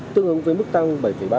tương ứng với mức tăng bảy ba mươi tám